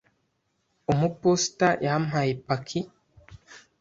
Umuposita yampaye paki?